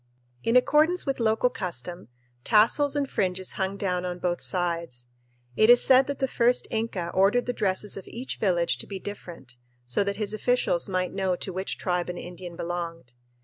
In accordance with local custom, tassels and fringes hung down on both sides. It is said that the first Inca ordered the dresses of each village to be different, so that his officials might know to which tribe an Indian belonged.